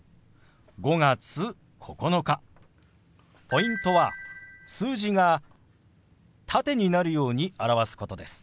ポイントは数字が縦になるように表すことです。